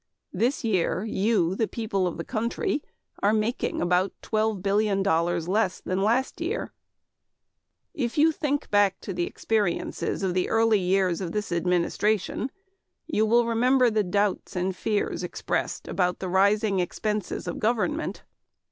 This year you, the people of this country, are making about twelve billion dollars less than last year. If you think back to the experiences of the early years of this administration you will remember the doubts and fears expressed about the rising expenses of government.